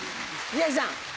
宮治さん。